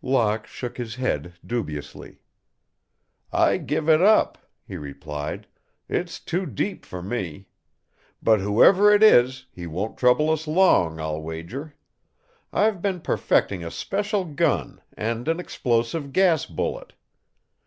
Locke shook his head dubiously. "I give it up," he replied. "It's too deep for me. But whoever it is, he won't trouble us long, I'll wager. I've been perfecting a special gun and an explosive gas bullet.